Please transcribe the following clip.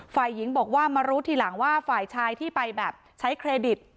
ฝ่ายหญิงบอกว่ามารู้ทีหลังว่าฝ่ายชายที่ไปแบบใช้เครดิต